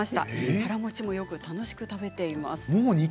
腹もちもよく楽しく食べています。